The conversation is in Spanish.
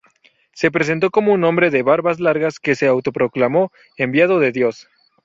Se presentó como un hombre de barbas largas que se autoproclamó enviado de Dios.